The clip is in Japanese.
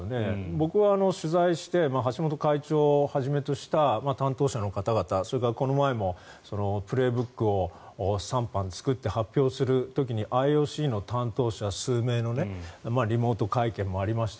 僕は取材して、橋本会長をはじめとした担当者の方々それからこの前も「プレーブック」を３版作って発表する時にＩＯＣの担当者数名のリモート会見もありました。